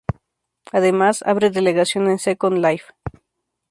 Además, abre delegación en Second Life.